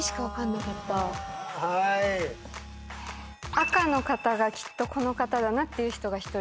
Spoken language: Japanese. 赤の方がきっとこの方だなって人が１人。